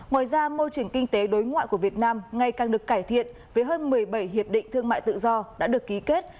ngoài ra môi trường kinh tế đối ngoại của việt nam ngày càng được cải thiện với hơn một mươi bảy hiệp định thương mại tự do đã được ký kết